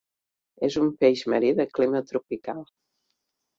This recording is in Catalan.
És un peix marí de clima tropical.